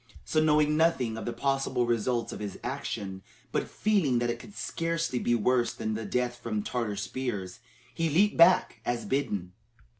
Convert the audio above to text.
So, knowing nothing of the possible results of his action, but feeling that it could scarcely be worse than death from Tartar spears, he leaped back, as bidden.